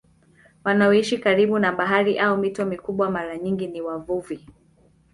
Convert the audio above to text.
Wanaoishi karibu na bahari au mito mikubwa mara nyingi ni wavuvi.